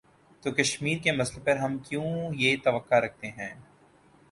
تو کشمیر کے مسئلے پر ہم کیوں یہ توقع رکھتے ہیں۔